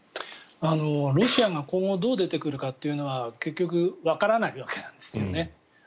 ロシアが今後、どう出てくるかは結局、わからないわけですよね。